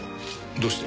どうして？